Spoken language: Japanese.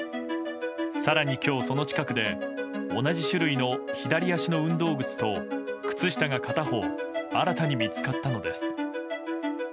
更に今日その近くで同じ種類の左足の運動靴と靴下が片方新たに見つかったのです。